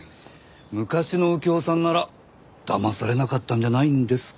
昔の右京さんならだまされなかったんじゃないんですか？